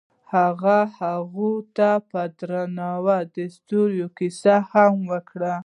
هغه هغې ته په درناوي د ستوري کیسه هم وکړه.